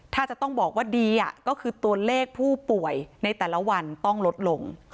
ถ้าจะต้องบอกว่าดีก็คือตัวเลขผู้ป่วยในแต่ละวันต้องลดลง